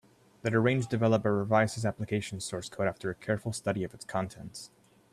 The deranged developer revised his application source code after a careful study of its contents.